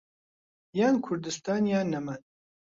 یان کوردستان یان نەمان.